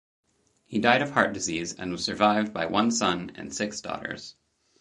He died of heart disease and was survived by one son and six daughters.